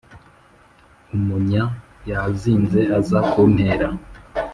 umunya yazinze aza kuntera